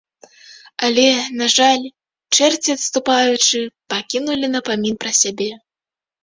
Але, на жаль, чэрці, адступаючы, пакінулі напамін пра сябе.